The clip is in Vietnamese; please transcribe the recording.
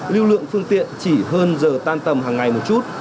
lưu lượng phương tiện chỉ hơn giờ tan tầm hàng ngày một chút